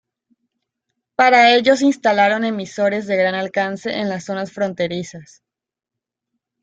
Para ello se instalaron emisores de gran alcance en las zonas fronterizas.